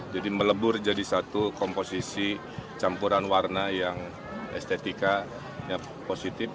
jadi melebur jadi satu komposisi campuran warna yang estetika positif